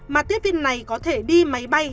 mà tiếp viên này có thể đi máy bay